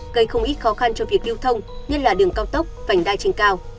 gây không ít khó khăn cho việc điêu thông nhất là đường cao tốc vành đai trên cao